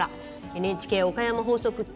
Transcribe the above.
ＮＨＫ岡山放送局